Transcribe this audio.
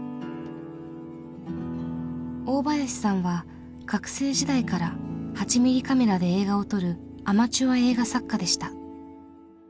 大林さんは学生時代から８ミリカメラで映画を撮るアマチュア映画作家でした。